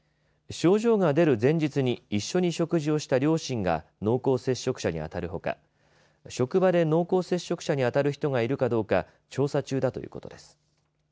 症状が出る前日に一緒に食事をした両親が濃厚接触者にあたるほか職場で濃厚接触者に当たる人がいるかどうか調査中だということです。